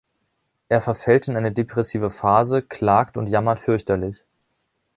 Er verfällt in eine depressive Phase, klagt und jammert fürchterlich.